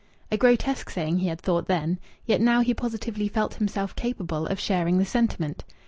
A grotesque saying, he had thought, then. Yet now he positively felt himself capable of sharing the sentiment.